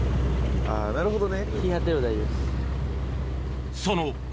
なるほどね。